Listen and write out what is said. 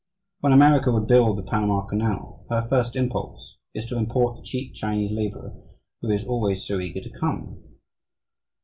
When America would build the Panama Canal, her first impulse is to import the cheap Chinese labourer, who is always so eager to come.